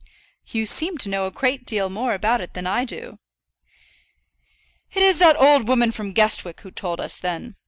"You seem to know a great deal more about it than I do." "It is that old woman from Guestwick who told us, then.